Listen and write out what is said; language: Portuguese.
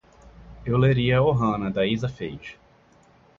Eu leria Ohana da Isa Feij